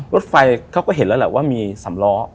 รถไฟเขาก็เห็นแล้วแหละว่ามีสำล้อ